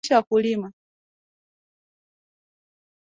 Mtaala huu umeandaliwa kwa lengo la kuwafahamisha wakulima